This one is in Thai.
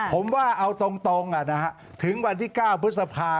ผมว่าเอาตรงถึงวันที่๙พฤษภา